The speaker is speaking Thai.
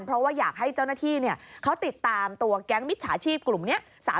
เพราะว่าอยากให้เจ้าหน้าที่เขาติดตามตัวแก๊งมิจฉาชีพกลุ่มนี้